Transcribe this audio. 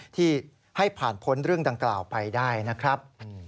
ที่ให้ผ่านพ้นเรื่องดังกล่าวไปได้นะครับ